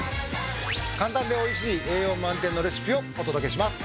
簡単でおいしい栄養満点のレシピをお届けします。